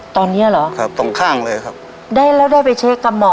ตอนเนี้ยเหรอครับตรงข้างเลยครับได้แล้วได้ไปเช็คกับหมอ